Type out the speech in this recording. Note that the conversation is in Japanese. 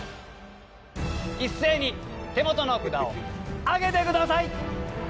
一斉に手元の札を挙げてください！